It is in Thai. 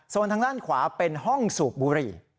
ส่วนทางด้านขวาเป็นห้องสูบบุหรี่